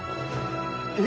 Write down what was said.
え？